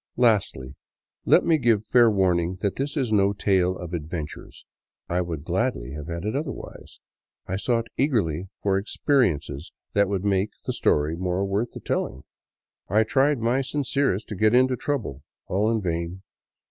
Lastly, let me give fair warning that this is no tale of adventures. I would gladly have had it otherwise. I sought eagerly for experi ences that would make the story more worth the telling; I tried my sincerest to get into trouble ; all in vain.